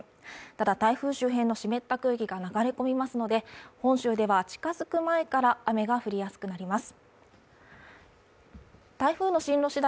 ただ台風周辺の湿った空気が流れ込みますので本州では近づく前から雨が降りやすくなります